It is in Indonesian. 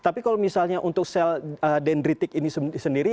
tapi kalau misalnya untuk sel dendritik ini sendiri